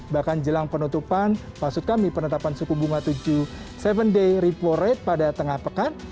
bahkan jelang penutupan maksud kami penetapan suku bunga tujuh tujuh day repo rate pada tengah pekan